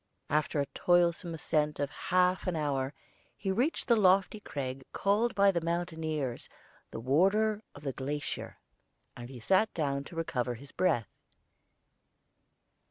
After a toilsome ascent of half an hour he reached the lofty crag called by the mountaineers the Warder of the Glacier, and sat down to recover his breath.